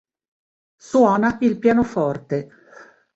Suona il pianoforte.